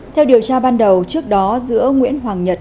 theo điều tra ban đầu trước đó giữa nguyễn hoàng nhật